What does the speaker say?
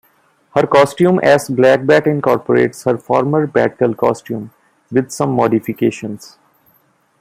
Her costume as Blackbat incorporates her former Batgirl costume, with some modifications.